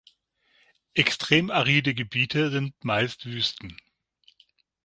Extrem "aride Gebiete" sind meist "Wüsten".